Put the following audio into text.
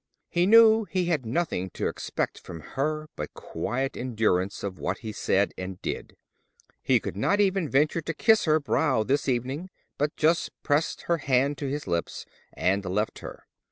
He knew he had nothing to expect from her but quiet endurance of what he said and did. He could not even venture to kiss her brow this evening, but just pressed her hand to his lips, and left her.